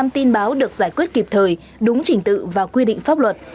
một trăm linh tin báo được giải quyết kịp thời đúng trình tự và quy định pháp luật